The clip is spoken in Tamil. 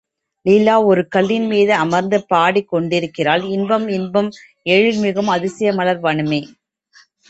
லீலா ஒரு கல்லின் மீது அமர்ந்து பாடிக் கொண்டிருக்கிறாள் இன்பம் இன்பம் எழில்மிகும் அதிசய மலர் வனமே!